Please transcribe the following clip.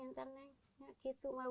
tidak begitu mak